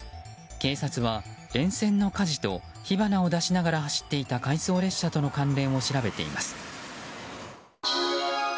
警察は沿線の火事と火花を出しながら走っていた回送列車との関連を調べています。